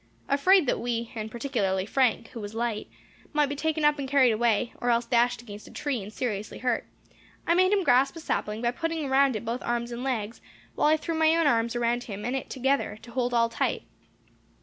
Afraid that we, and particularly Frank, who was light, might be taken up and carried away, or else dashed against a tree and seriously hurt, I made him grasp a sapling, by putting around it both arms and legs, while I threw my own arms around him and it together, to hold all tight.